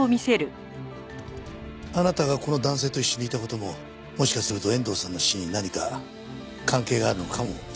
あなたがこの男性と一緒にいた事ももしかすると遠藤さんの死に何か関係があるのかもしれません。